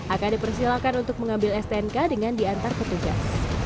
akan dipersilakan untuk mengambil stnk dengan diantar petugas